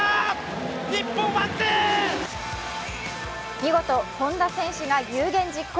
見事、本多選手が有言実行。